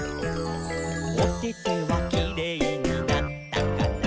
「おててはキレイになったかな？」